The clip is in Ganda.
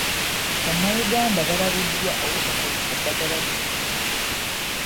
Bannayuganda balabuddwa obutakozesa ddagala lyonna.